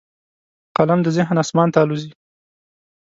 قلم د ذهن اسمان ته الوزي